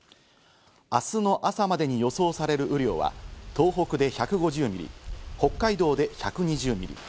明日の朝までに予想される雨量は東北で１５０ミリ、北海道で１２０ミリ。